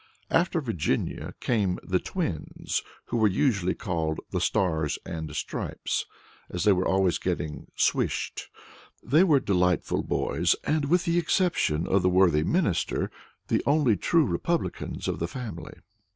After Virginia came the twins, who were usually called "The Stars and Stripes," as they were always getting swished. They were delightful boys, and, with the exception of the worthy Minister, the only true republicans of the family.